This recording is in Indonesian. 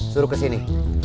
suruh ke sini